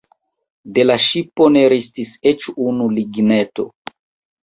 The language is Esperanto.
De la ŝipo ne restis eĉ unu ligneto.